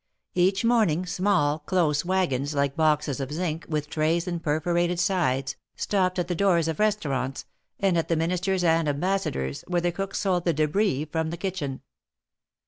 Each morning small, close wagons, like boxes of zinc, with trays and perforated sides, stopped at the doors of the restaurants, and at the ministers' and ambassadors', where the cooks sold the debris from the kitchen.